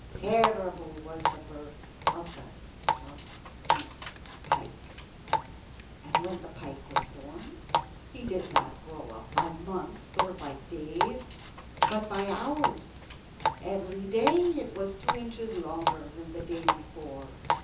Terrible was the birth of the sharp toothed pike. And when the pike was born he did not grow up by months or by days, but by hours. Every day it was two inches longer than the day before.